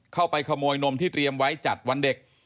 เข้าไปขโมยนมที่เตรียมไว้จัดวันเด็ก